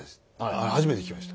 あれ初めて聞きました。